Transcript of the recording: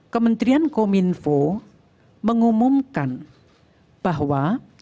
kementrian kominfo mengumumkan bahwa